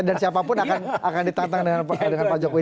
dan siapa pun akan ditantang dengan pak jokowi